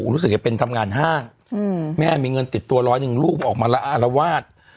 รู้สึกจะเป็นทำงานห้างแม่มีเงินติดตัวร้อยหนึ่งลูกออกมาละอารวาส